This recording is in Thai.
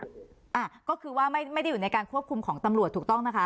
อ่าก็คือว่าไม่ได้อยู่ในการควบคุมของตำรวจถูกต้องนะคะ